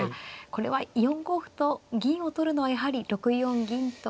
これは４五歩と銀を取るのはやはり６四銀と。